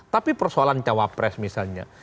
tapi persoalan cawapres misalnya